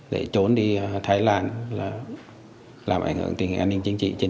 để trốn đi thái lan làm ảnh hưởng tình hình an ninh chính trị trên địa bàn